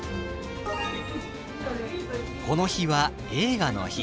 この日は映画の日。